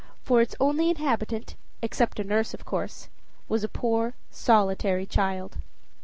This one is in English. For its only inhabitant, except a nurse of course, was a poor solitary child.